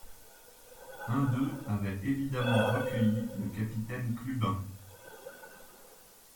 Un d’eux avait évidemment recueilli le capitaine Clubin.